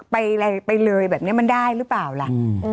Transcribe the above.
ไปเลยแบบนี้มันได้หรือเปล่าล่ะ